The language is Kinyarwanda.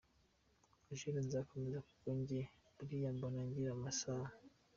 Eugene: “ Nzakomeza, kuko njye buriya mbona ngira amashaba.